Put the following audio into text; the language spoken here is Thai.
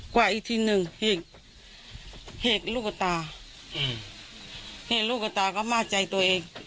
กว่าอีกทีหนึ่งเห้ยลูกตาเห้ยลูกตาก็มาใจตัวเอง